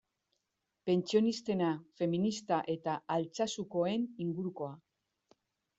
Pentsionistena, feminista eta Altsasukoen ingurukoa.